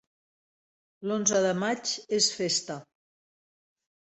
L'onze de maig és festa.